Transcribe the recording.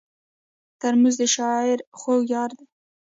ترموز د شاعر خوږ یار دی.